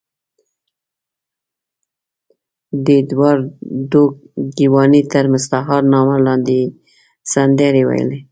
د اېډوارډو ګیواني تر مستعار نامه لاندې یې سندرې ویلې.